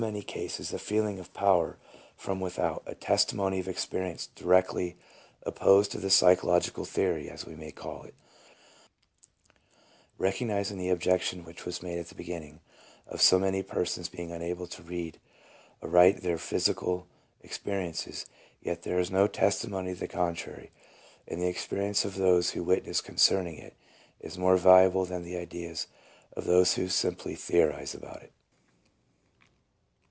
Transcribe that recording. cases a feeling of power from without, a testimony of experience directly opposed to the psychological theory, as we may call it; recognizing the objection which was made at the beginning, of so many persons being unable to read aright their psychical experiences, yet there is no testimony to the con trary, and the experience of those who witness concerning it is more valuable than the ideas of those who simply theorize about it.